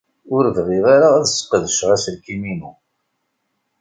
Ur bɣiɣ ara ad sqedceɣ aselkim-inu.